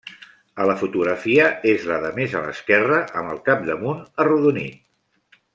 A la fotografia, és la de més a l'esquerra, amb el capdamunt arrodonit.